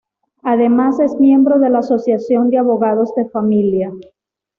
Además es miembro de la Asociación de Abogados de Familia.